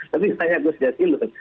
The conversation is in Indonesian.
tapi misalnya gus zilul